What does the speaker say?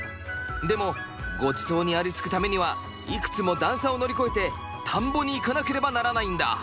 でもごちそうにありつくためにはいくつも段差を乗り越えて田んぼに行かなければならないんだ。